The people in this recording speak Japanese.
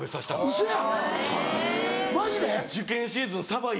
ウソやん。